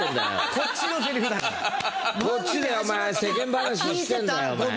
こっちでお前世間話してんだよ。